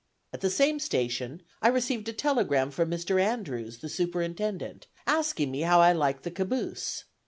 At the same station I received a telegram from Mr. Andrews, the superintendent, asking me how I liked the caboose.